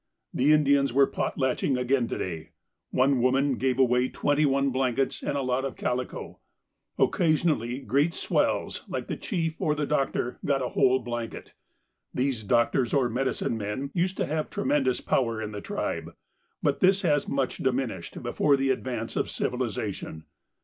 The Indians were potlatching again to day; one woman gave away twenty one blankets and a lot of calico. Occasionally great swells, like the chief or the doctor, got a whole blanket. These doctors or medicine men used to have tremendous power in the tribe, but this has much diminished before the advance of civilisation.